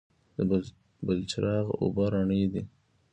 د بلچراغ اوبه رڼې دي